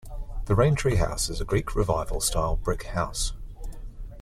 The Raintree House is a Greek Revival style brick house.